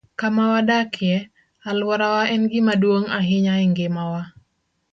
Kama wadakie, alworawa en gima duong ' ahinya e ngimawa.